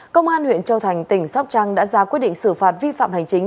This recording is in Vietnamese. công an huyện châu thành tỉnh sóc trăng đã ra quyết định xử phạt vi phạm hành chính